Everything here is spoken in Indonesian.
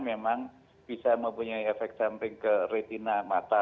memang bisa mempunyai efek samping ke retina mata